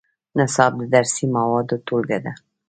نصاب د درسي موادو ټولګه ده